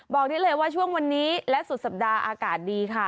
บอกได้เลยว่าช่วงวันนี้และสุดสัปดาห์อากาศดีค่ะ